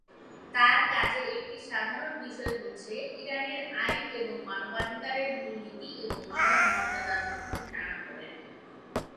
তার কাজের একটি সাধারণ বিষয় হচ্ছে ইরানের আইন এবং মানবাধিকারের মূল নীতি এবং মানব মর্যাদার মধ্যে টানাপোড়েন।